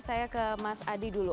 saya ke mas adi dulu